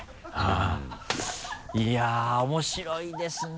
いや面白いですね